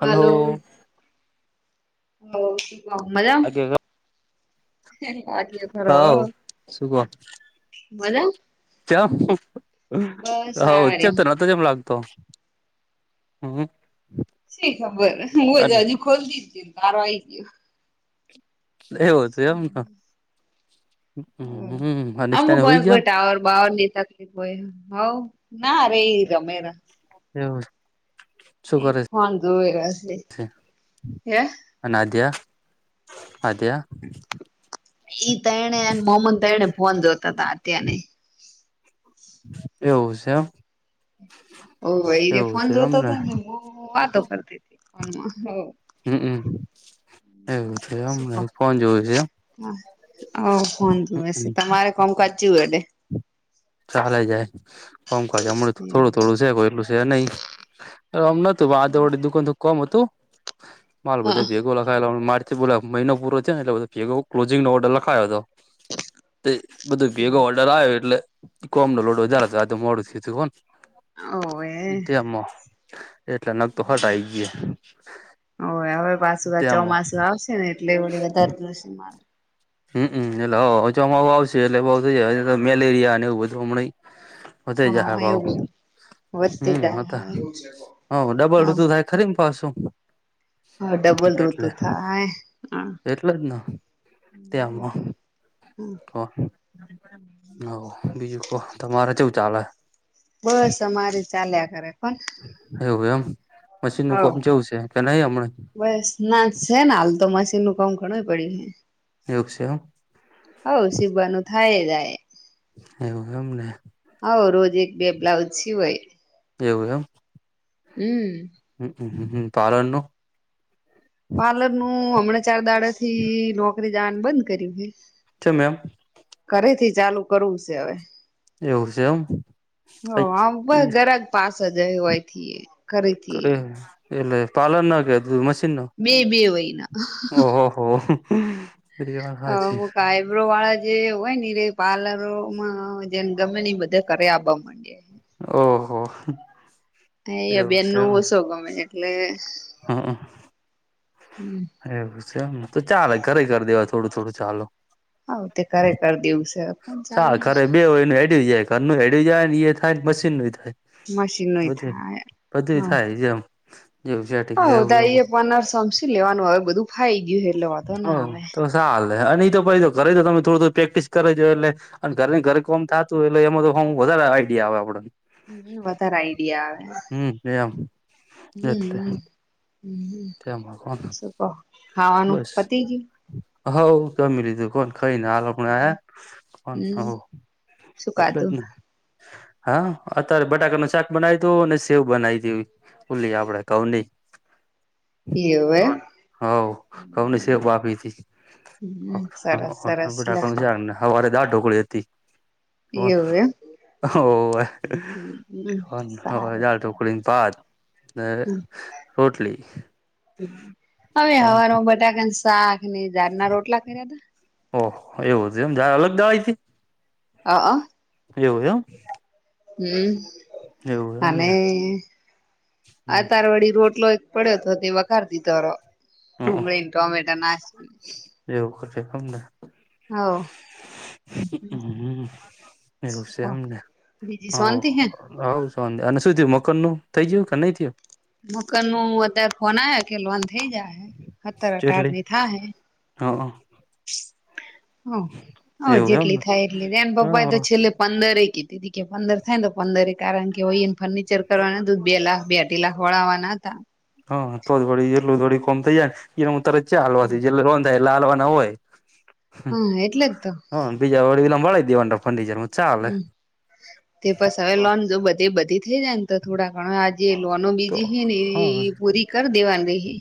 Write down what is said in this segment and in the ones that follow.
Hello. હ શી મજા [unintelligible] માં? હવ આગ ખરો મજા. ચ હ બસ સારે છે તો [unintelligible] મ લાગતો હમ્મ. શી ખબર હું જ હજુ ખોલતી જ તારો આઈ ગયો. એવું છે એમ ને નિષ્ઠાને હોય જા. બાવાર ની તકલીફ હોય હવ ના રે રમેરા. હમ્મ. એ ફોન જોવરા હે. અને આધ્યા આધ્યા. ઈ ત એણે મોમન ત એણે ફોન જોતા હતાા અત્યાર. એવું છે એમ. ઓ એ જે એવું ફોન છે જોતો એમને હતો ને બહ વાતો કરતી હતી ફોનમાં. હમ્મ એવું છે એમ ફોન જોયું છે એમ. કોું [unintelligible] એમ તમારે કોમ કરચ હોય એટે. ચાલે જાય. કોમકાજ છે હમણાં થોડું હા. થોડું છે કોઈ એટલું છે નહીમ નતું આ દુકાન કોમ હતું? માલ બધે ભેગું લખાયેલા માર થી બોલો મહિનો પૂરો થ્યો ને એટલે બધો કેગો ક્લોઝિં નો ઓર્ડર લખાયો તો. તે, બધું ભેગો હોલ્ડર આયો એટલે કોમ નો લોડ વધારે હતો આજે થયુંતું હોન? ઓવે તેમો એટલે નગ તો હટ આઈ ગ્યા. હોવે હવે પાસું આ ચોમાસું આવશે ને એટલે વડી વધારે થશે મારે. હમ્મ, એટલે અચામાઉ આવશે એટલે બ [unintelligible] મેલેરિયા ને એવું બધું હમડેઇ. વધાએ જાહે હા ભાવ. એવું બધું વધતી હમ્મ હતો, જાય હવ ડબલ હ ઋતુ થાય ખરીમ પાસું હ ડબલ ઋતુ થાય, હ, એટલે જ ને હમ્મ. હો, હવ, બીજું કો તમારે ચેવું ચાલે? બસ અમારી ચાલ્યા કરે પણ એવું એમ, મશીન નું હવ કોમ ચેવું છે, કે નઈ હમણે? બસ ના છે ને હાલ તો મશીન નું કામ ઘણુંય પડ્યું છે. એવું સે એમ? હવ, શીવાનું થાય જાય. એવું એમ ને? હવ, રોજ એક બે બ્લાઉજ સિવાય. એવું એમ? હમ્મ. હમ્મ હ હ પારન નો? પાર્લર નું, હમણાં ચાર દાડા થી, નોકરી જાવાનું બંધ કર્યું હે. ચેમ એમ? ઘરેથી ચાલુ કરવું સે હવે. એવું છે એમ હ, આમ પ ઘરાક જ પાસે જ હોયથી. ક ઘરેથી એટલે પાલન કે મ બે બે વયના. ઓહો. વાત હ હાચી અમુક આઈબ્રો વાળા જે હોય ને ર પાર્લરોમાં જેને ગમે બધા કર્યા આપપા માંગે. ઓહો. એ એવું અભિયાન નું ઓસુ ગમે છે એટલે હમ્મ. એવું છે એમને, તો ચાલે ઘરે કરી દેવા થોડું થોડું ચાલુ. આવ તે કરે કરી દેવું છે પણ ચાલે ચાલો ઘરે બે હોયને હેડી જાય ઘરનું હેડી જાય ને ઈએ થાય મશીન નું થાય, મશીન નય બધું થાય બધું થાય, જેમ જેવું છે. હવ તાઈ એ પનાર સમસી લેવાનું હવે બધું ફાઈ ગ્યું હે એટલે વધો ના આવે. સાલેે, અને ઈ તો પછી તો કરે તો તમે થોડું થોડું પ્રેક્ટિસ કરિજો એટલે અને ઘર ની ઘરે કોમ થતું એટલે એમાં તો હું વધારે આઈડિયા આવે આપણને. હમ્મ, વધારે આઈડિયા આવે. હમ એમ હમ્મ એટલે હમ્મ હમ્મ હમ્મ. તેમાં શું કો, ખાવાનું બસ પતિ ગ્યું? હવ જામી લીધું કોણ. કઈને હાલોકને આયા, હમ શું [unintelligible] એટલે ખાધું જ ને. હા અતારે બટાકા નું શાક બનાયુ તું અને સેવ બનાઈ તી ઓવી, ઓલી આપડે ઘઉં ની. એવે? હવ ઘઉં ની સેવ વાપરી તી હ હમ સરસ હ ને સરસ લે બેટાકાનું શાક ને હવારે દાડ ઢોકળી હતી. હોન એવું એમ હોવે. હમ હન સારું દાલ ઢોકળી સારું ન ભાત ને રોટલી. હવે કોણ હવારમાં બટાકા ન શાક ને દાળના રોટલા કર્યા તા. ઓહો એવું છે એમ જાય અલગ દવાઈથી હ હ એવું એમ હમ એવું અને એમને અતારવાડી રોટલો પડ્યો તો તે વખારતી તરો ડુંગળી ને ટોમેટા નાસીીને જેવ ખતે ફમને હા હમ એવું બીજી સાઉન્તી હેને હઉ સવાંધ્યા અને શું થયું મકાન નું થઈ ગયું કે નહી થયું મકાન નું અત્યારે ફોન આવ કે લોન થઇ જાય હે અતાર અઢાર ચટલી ની થા હે [unintelligible] હ હ એવું એમને જેટલી થાય એટલી એન પપ્પા તો હા છેલ્લે પંદરે કે દી કે પંદર થાયને તો પંદરે કારણ કે હોય એને ફર્નિચર કરવાનું હતું બે લાખ બે અઢી લાખ વળાવવાના હતા હા તો જ થોડી એટલું થોડી કોમ થઇ જાય ને એ ઉતર જ છે હાલવાથી જેલે રોન થાય એટલે હાલવા ના હોય હા એટલે જ તો હ બીજળ વિલા મળાીવા ફજ હમ તે બસ હવે લોન જો બધી બધી થઇ જાય ને તો થોડા ઘણો જે લોનો તો બીજી હ ને હા એ પૂરી કરી દેવાની દે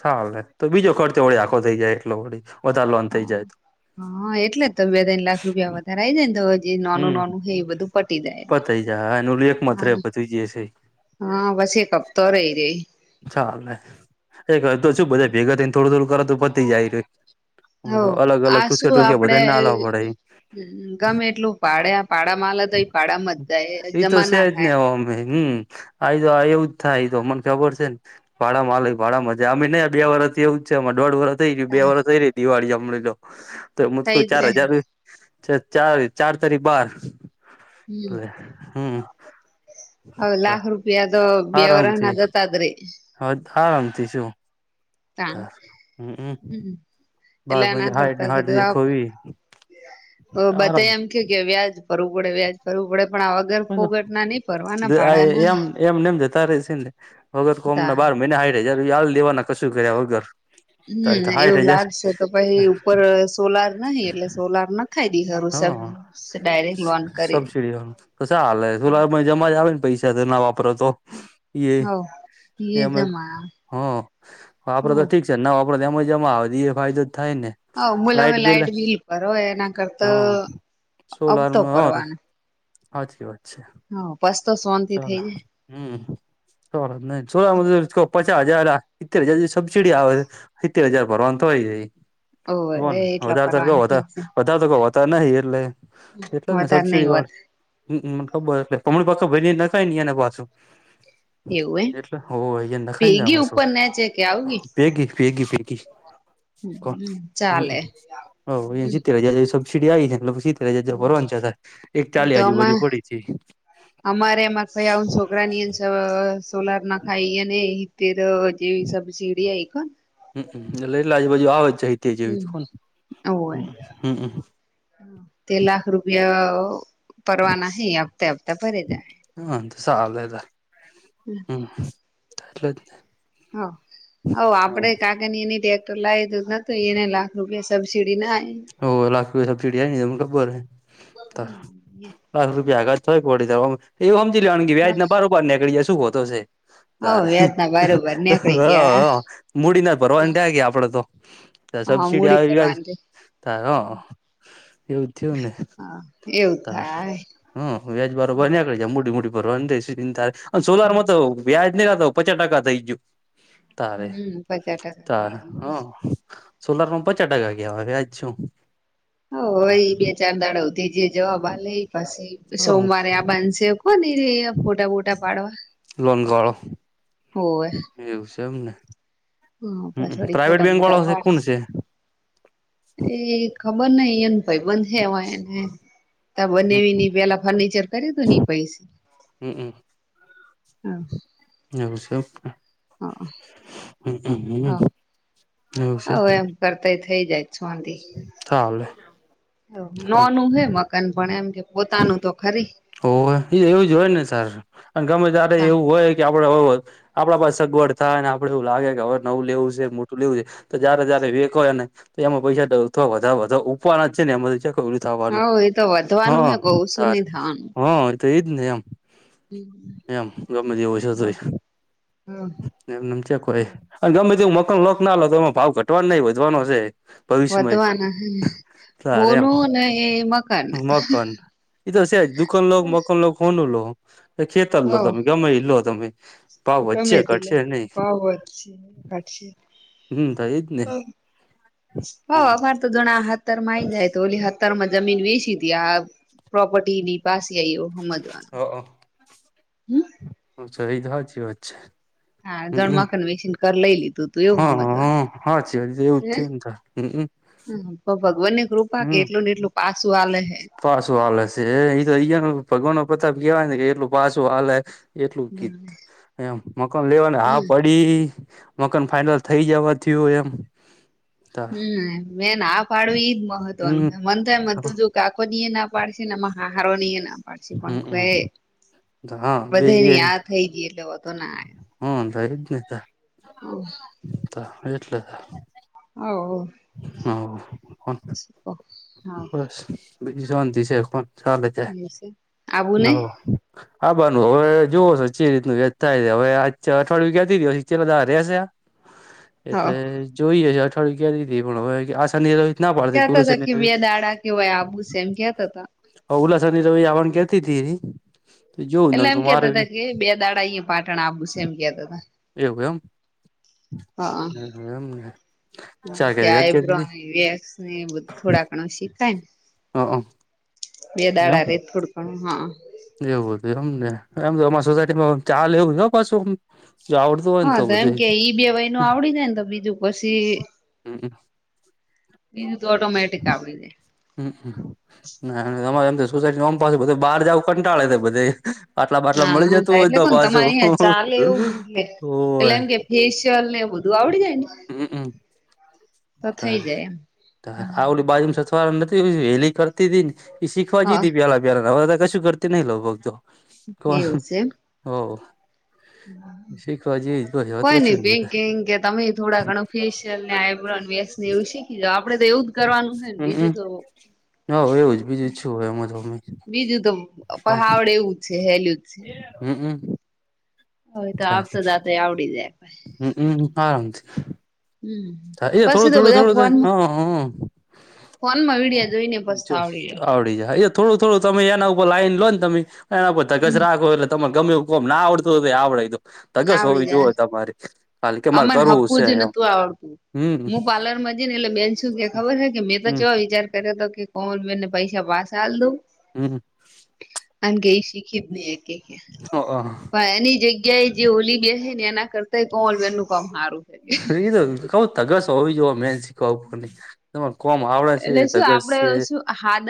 ચાલે તો બીજો ખર્ચે વળી આખો થઈ જાય એટલો વળી વધારે લોન થઈ જાય તો હા એટલે જ તો બે તણ લાખ રૂપિયા વધારે આ આવી જાય ને તો હ એ નાનું હમ નાનું હે એ બધું પટી જાય એ પતાઈ જાય એનું એકમત રે પતી જશે હા બસ એક કપતો રહી ર્યો ચાલે એ તો શું બધા ભેગા થઈને થોડું થોડું કરતું પતી જાય રહ્યું હ અલગ અલગ ટુકે ટુસ બધા ના અલાવવા પડે હ ગમે એટલું પાડે પાડામાંલે તો એ પાાડામાં જ જાય જમા ના થાય હમે હમ આઈ એવું જ થાય આઈ તો મને ખબર છે ભાડા માં લ ભાડામાં છે અમે નહી બે વરષથી એવું જ છે અમાં દોઢ વર્ષ થઈ રહ બે વરષ થઈ રહી દિવાળી જમ લો તો મ થઈ ક જ ચાર રે હજાર ચાર ચાર તારીખ બાર હમ હમ બે તો બે વરસ ના જતા રહે હ આરામથી શું તા હમ હમ બાર એલા પંજ ના હાઈટ ને કરતા હાઈટ કીધું એકસો વીસ આ બધે આરામ એમ કે વ્યાજ ભરવું પડે વ્યાજ ભરવું પડે પણ આ વગર ફોગટ ના નહી ભરવાના ભાડાના એમ એમનેમ જતા ર છે ને વગર તા કોમના બાર મહિના હ જાર યાળ લેવાના કશું કર્યા વગર હમ હાઈઠ એવું હજાર લાગશે તો પાઈ ઉપર સોલાર નહી એટલે સોલાર ના ખાઈ દી ઘરું સબ ડાયરેક્ટ લોન કર એ તો સા હાલ હ સુલા જમા જ આવે ને પૈસા તો ના વાપરો તો એમે હ આપડે તો ઠીક ના વાપર એ જમાં આવ દ એ ફાયદો જ થાય ને હમલો અમે લાઈટ બિલ પર હો એના કરતા હા આવતો પરવાનો હાચી વાત છે હા બસ તો સોનથી ચાલ થઇ જાય હમ સો ન સોલા મ પચાસ હજાર એિતતેર હજાર જે સબસિડી આવે સિત્તેર હજાર ભરવાનું થઈ હોવે એ જાયને એટલા વધારે સર ભરવાનું થાય છે વધ તો હોતા નહિ એટલે એટલે જ ને વધારે નહી સબસીિડી હોત વાળ હમમને ખબર તમામણી પાછ ભ નખાય ન એને પાછું એવું એમ એટલે હોને ભેગી દખાયને શું ઉપર નેચે કે આવગી ભેગી ભેગી ભેગી કો હમ હમ ચાલે હ એ જતે જ સ ચિડી આવી ને એટલે સીતે ફરવાન છ એક ચાલી આજુબાજુ પડી છે અમારેમાં ભાઈ આવ છોકરા ની એ સોલાર નાખ ખાઈ અને અને હ તો જેવી સબ સીડી આ કો હમ લઈલાજ બાજુ આવે જ જાય તે હમ જેવી કોને હ હમ તે લાખ રૂપિયા પરવાના હ હપ્તા હપ્તા ભરે જાય હા તો સાલેરા હમ એટલે જ ને હ હવ આપડે કા અ એની ટ્રેક્ટર લાએ એને લાખ રૂપિયા સબસીડી ના ઓ લખ રૂપ સબજીીડીની હ ખબર ત લખ રૂપિયા કર થડી એવું સમજી લેવાણ કે વ્યાજને બરોબાર નીકળીાય શ ખોતો છે હ તારે વ્યાજ ના બારોબર નીકળી હ ગયા હ મૂડી ના ભરવાની ત્યાં ગ આપડે તો હા સબસીડી મૂડી આવી ફરવાનું છે તાર હ એવું થયું ને હા એવું તાર થાય હ વ્યાજ બરોબર ને્યા જ મોડી મોટી ભરોવા દેશે સોલાર માતો હમ વ્યાજ નહીખતા પચાસ ટકા થઈ ગયું તારે પચાસ ટકા ત થઈ ગયું હા સોલાર માં પચાસ ટકા ગયા હોય વ્યાજ છું હ હય બે ચાર દાડથી જે જવાબા લે પછી હ સોમવારે આ બાંધશે કો એ ફોટા- બોટા પાડવા લનગઢ હોવે [inaudible] એવું છે એમને પાછ હ વળી પ્રાઈવેટ ફોટા બેંક વાળો બોટા શે કોણ પાડશે છે? એ ખબર નહ એને ભાઈબંધ થવાય એને તા બનેવી ને પેલા ફર્નિચર કરયુ તું ની પૈસે હમ હમ એવું હા છે હા હમ હમ હમ એવું છે હવે એમ કરતાય થઇ જાય શોંધી તાલે. ના નું હે મકાન પણ એમ કે પોતાનું તો ખરી ઓ એ એવું જ હોય ને સાર‌ અ ગમે તારે એવું હોય કે આપડે હોવે આપડા પાસે સગવડ થાય ને આપડે એવું લાગે કે હવે નવું લેવું છે મોટું લેવું છે તો જયારે જારે વેકો ને તો એમાં પૈસાથવા વધ વધા ઉપવાના જ છે ને એમાંથી કવડું થવાનું હવ એ તો હ વધવાનું હે કઉ ઓછું સાર નઈ થવાનું હા તો એજ ને એમ એમ ગમે જ હો સધરી હવ એમ એમ છે કોઈ ગમે તે મકાન લોક ના લો તો એમાં ભાવ ઘટવા ન‌ઇ વધવાનો છે ભવિષ્યમય વધવાના હે સરે એમ હોનું ને એ મકાન મકાન એ તો જ દુકન લો મકાન લો ફોનનું લો એ ખેતર લો હવ તમે ગમે લો તમે ભાવ વધચ્ચે ગમે ઘટશે નહી પક્ષી [unintelligible] હમ તહિદ ને હ એમ અમારે તો જણા હાથરમાંઈ જાય તો ઓલી વિતાર માં જમીન વેસી હતી આ પ્રોપર્ટી ની પાસે આવી એ સમજવાનું હ હમ સ એ તો જ હ્ છે ગણમાંખન [unintelligible] વેસીને ઘર લઈ લીધું તું [unintelligible] હ એવું સમજવાનું હા હ હ હાચી હ એવું જ થયને તો હમ હ ભગવાન ની કૃપા કે એટલું ને એટલું પાસું આલે હે પાસું આલે શે એ તો અહીયા ન ભગવાન નો પ્રતાપ કેવાય ને કે એટલું પાસું આલે એટલું હમ કીધ એ મકાન લેવાને હા પડી ડમકાન ફાઈનલ થઇ જવાથી થયુ હોય એમ તાર હમ બે ના પાડુ ઈજ હમ મહત્વનું મન તો એ હતુ કાકોજી એ ના પાડશે નેમાં હાહારો એ ના પછી પણ હમમ કઈ હા બે બધે ની આ થઈ ગઈ એટલે વાંધો ના હમ ર એ જ નહી ત એટલે [unintelligible] હ હા કો ઓ હા બીજી શાંતિ છે કો ચાલે છે હ આવું નહી હવ આ બારનું હવે જોવો છો જે રીતનું થાય છે હવેે અઠવાડિયું ક્યાથી ચેલા રશે હ એટલે જોઈએ છે અઠવાડિય કયાથી પણ હવે આ શની કેતા હતા કે બે દાડા કેવાય આબુ છે એમ કેતા હતા અ ઓલા શની રવિ આવાનુ કેતી હતી તો જોવું એટલે ન તો એમ મારે કેતા હતા કે બે દાડા અહિં પાટણ આવુ છે એમ કેતા હતાા એવુ એમ એમને ચા કે યાદ આઈબ્રો કરી વેક્સ એ બધુ થોડા ઘણું શીખાય ને હ હ બે દાડા રે થોડુ પણ હા એવું હતું એમ ને એમ તો અમારા સોસાયટીમાં ચાલે એવું છે પાછું જો આવડતો હા તો એમ કે ઈ બે વય ન આવડી જાય ને તો બીજું પછી હમ બીજુ તો ઓટોમેટિક આવડી જાય હમ તમારે એમ સોસાયટીમા ઓમ પાસુ બહાર જવું કંટાળે બધાય બાટલા બાટલા હા મળી હા જતું થાય હોય એટલે તો કોણ તમારે અહીંયા પાછું હોય ફેશીયલ ને બધું આવડી જાય ને હમમ તો ત થઈ જાય એમ ત આ બાજુમ [unintelligible] નથી હેલી કરતી હતી ને એ શીખવા હા જઈ પેલા પાર બધા કશું કરતી નહી લઉભગ તો કોણ એવું છે એમ. હો શીખવા જેવી જ હવે તો કોઈ કશું નઈ નહી પિંકી કે તમે થોડા ઘણું ફેેશિયલ ને વેેેકસ ને એવું શીખી આપડે તો એવું જ કરવાનું છે ને બીજું હમ તો હવ એવું જ બીજું જ શું હોય એમાં તો બીજું તો પહ કોણ આવડે એવું જ છે સેલું છે હમ હમ હ એ તો આપતો જાતે આવડી જાય ભાઈ હમમ હમ આરામથી પછી થોડું તો થોડું બધા થોડું થાય ફોન ફોનમાં વિડિયા જોઈને પછ તો આવડી જાય આવડી જ હે થોડું થોડું તમે એના ઉપર લાઈન લોને તમે એના ઉપર ધગશ હમ રાખો તને ગમે કોમ ના આવડતું હો આવડે તો ધગસ હોવી જોવે તમારી ખાલી કે મારે આમને કરવું હપ્વું છે જ એમ નતું આવડતું હમ હું પાર્લરમાં જઈ ને એટલે બેન છું કે ખબર છે કે મેં હમ તો વિચાર કર્યો હતો કે કોમલબેન ને પૈસા પાસા આલ દવ હમ કારણ કે એ શીખી જ નય શકે પણ એની જગ્યા એ જે ઓલી બેસે ને એના કરતા કોમલબેનનું કામ સારું છે. [unintelligible] કઉ તગસ હોવી જો મેન ક નહી તમારે કોમ આવડા છે ધગસ છે. હાડ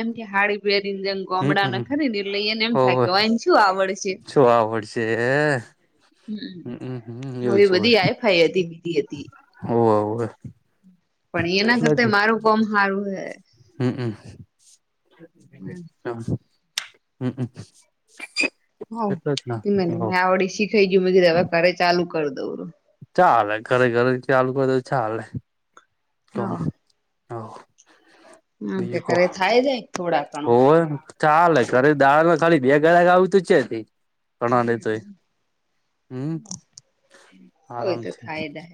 એમ કે હાડી પેરીંગ હમ ગામડા હમ ન ખરીને એટલે એને એમ થાય હોવે કેને શું આવડ છે? શું આવડશે હમ હમ એવું એ બધી આઈ ફાઈ હતી બીધી હતી. હોવ હોવે. પણ એના એટલે જ કરતા ને મારું કોમ હારુ હે. હમ હમ. હા હમ હમ હમ. હ મ મેં આવડી [unintelligible] હવે ઘરે ચાલુ કરી દઉ ચાલે ઘરે ઘરે ચાલુ કર તો ચાલે. હા. [unintelligible] એમ કે બીજું કો ઘરે થાય જાય થોડા ઘણું હોવે ચાલે ઘરે દાળમાં ખાલી બે ગળક આવું તું છે તી ઘણા લેતોય હમ હવે તો આરામથી. થાય જાય.